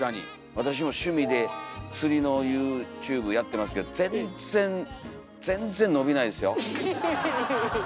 私も趣味で釣りのユーチューブやってますけど全然全然伸びないですよ。